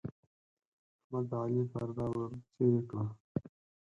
احمد د علي پرده ورڅيرې کړه.